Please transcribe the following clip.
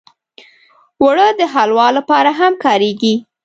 اوړه د حلوا لپاره هم کارېږي